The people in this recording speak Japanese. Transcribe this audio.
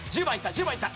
１０番いった。